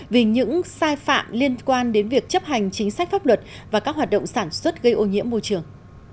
vì những sai phạm liên quan đến việc chấp hành chính sách pháp luật và các hoạt động sản xuất gây ô nhiễm môi trường